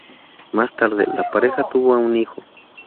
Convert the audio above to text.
Más tarde, la pareja tuvo a un hijo.